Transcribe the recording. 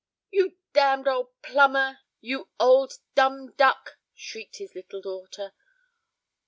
"You damned old plumber, you old dumb duck!" shrieked his little daughter.